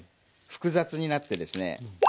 複雑になってですね